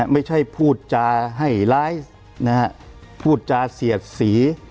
ไม่ใช่พูดจาให้ไลฟ์พูดจาเสียดสี